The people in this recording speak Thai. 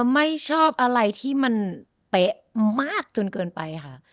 ไม่ชอบอะไรที่มันเป๊ะมากจนเกินไปค่ะ